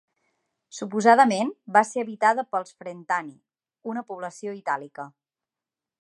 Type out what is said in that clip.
Suposadament, va ser habitada pels Frentani, una població itàlica.